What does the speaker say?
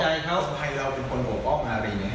เราก็คิดว่าทำไมเราเป็นคนผกบอลปม์มาบีนะครับ